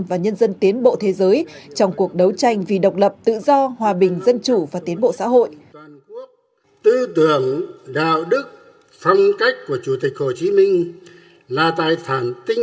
và nhân dân tiến bộ thế giới trong cuộc đấu tranh vì độc lập tự do hòa bình dân chủ và tiến bộ xã hội